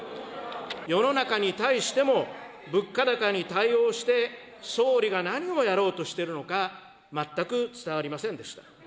世の中に対しても、物価高に対応して総理が何をやろうとしてるのか、全く伝わりませんでした。